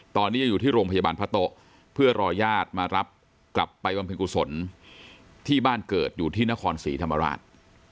ตอนนี้ยังอยู่ที่โรงพยาบาลพระโต๊ะเพื่อรอญาติมารับกลับไปบำเพ็ญกุศลที่บ้านเกิดอยู่ที่นครศรีธรรมราช